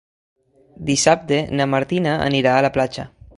Dissabte na Martina anirà a la platja.